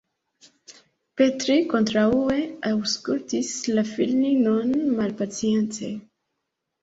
Petri, kontraŭe, aŭskultis la filinon malpacience.